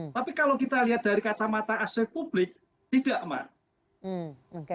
tapi kalau kita lihat dari kacamata aspek publik tidak mbak